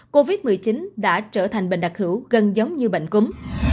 covid một mươi chín đã trở thành bệnh đặc hữu gần giống như bệnh cúm